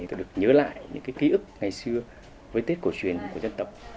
được nhớ lại những cái ký ức ngày xưa với tết cổ truyền của dân tộc